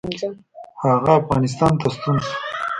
هغه افغانستان ته ستون شو.